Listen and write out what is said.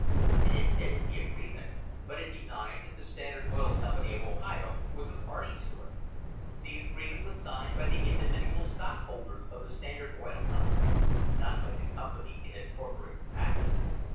It admitted the agree ment, but it denied that the Standard Oil Company of Ohio was a party to it. The agreement was signed by the individual stockholders of the Standard Oil Company, not by the com pany in its corporate capacity.